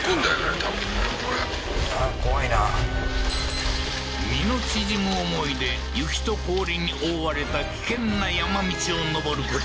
多分ねこれああ怖いな身の縮む思いで雪と氷に覆われた危険な山道を上ること